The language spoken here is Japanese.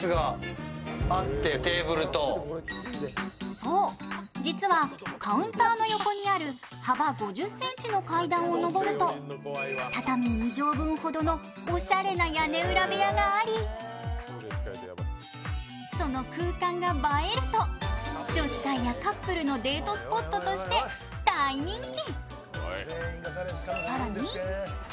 そう、実はカウンターの横にある幅５０ｃｍの階段を上ると畳２畳分ほどのおしゃれな屋根裏部屋がありその空間が映えると、女子会やカップルのデートスポットとして大人気。